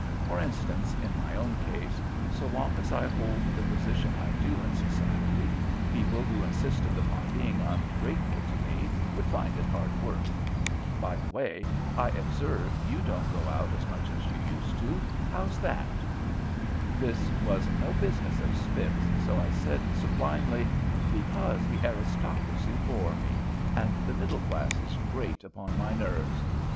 For instance, in my own case, so long as I hold the position I do in society, people who insisted upon being ungrateful to me would find it hard work. By the way, I observe you don't go out as much as you used how's that?" This was no business of Spiff's, so I said sublimely, "Because the aristocracy bore me, and the middle classes grate upon my nerves.